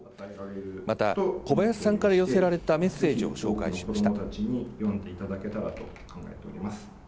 また小林さんから寄せられたメッセージを紹介しました。